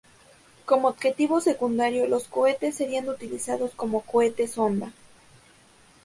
Como objetivo secundario, los cohetes serían utilizados como cohetes sonda.